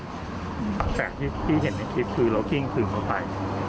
แต่ที่ที่เห็นในคลิปคือเรากลี้ย้มชื่อไป